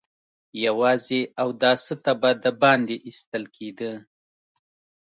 يواځې اوداسه ته به د باندې ايستل کېده.